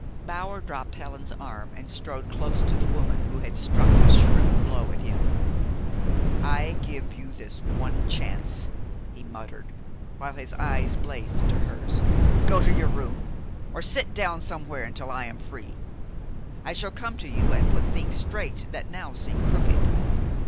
Bower dropped Helen's arm, and strode close to the woman who had struck this shrewd blow at him. "I give you this one chance!" he muttered, while his eyes blazed into hers. "Go to your room, or sit down somewhere till I am free. I shall come to you, and put things straight that now seem crooked.